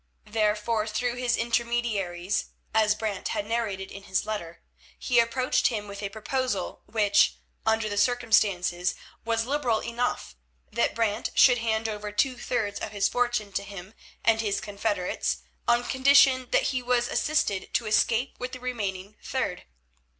Therefore through his intermediaries, as Brant had narrated in his letter, he approached him with a proposal which, under the circumstances, was liberal enough—that Brant should hand over two thirds of his fortune to him and his confederates, on condition that he was assisted to escape with the remaining third.